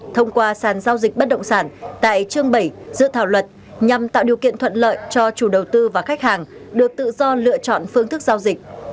thông qua sàn giao dịch bất động sản tại chương bảy dự thảo luật nhằm tạo điều kiện thuận lợi cho chủ đầu tư và khách hàng được tự do lựa chọn phương thức giao dịch